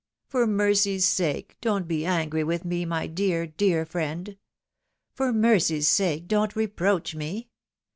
" For mercy's sake don't be angry with me my dear, dear fiiend. For mercy's sake don't reproach me